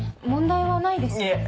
問題はないですよね。